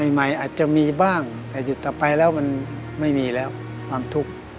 ใหม่อาจจะมีบ้างแต่หยุดต่อไปแล้วมันไม่มีแล้วความทุกข์